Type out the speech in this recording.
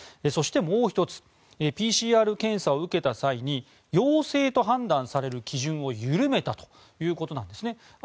そして、もう１つＰＣＲ検査を受けた際に陽性と判断される基準を緩めたということなんですね。